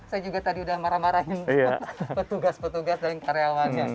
saya juga tadi udah marah marahin petugas petugas dan karyawannya